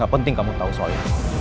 gak penting kamu tahu soya